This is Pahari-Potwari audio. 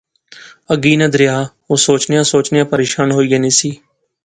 اگی ناں دریا، او سوچنیاں سوچنیاں پریشان ہوئی گینی سی